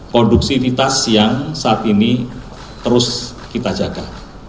produksivitas yang saat ini terus kita jaga